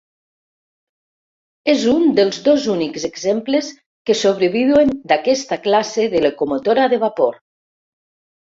És un dels dos únics exemples que sobreviuen d'aquesta classe de locomotora de vapor.